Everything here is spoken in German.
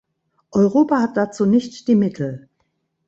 Europa hat dazu nicht die Mittel.